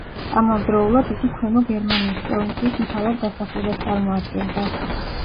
ამავდროულად იგი ქვემო გერმანიის პროვინციის მთავარ დასახლებას წარმოადგენდა.